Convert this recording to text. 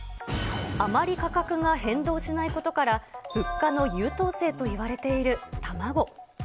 あまり価格が変動しないことから、物価の優等生といわれている卵。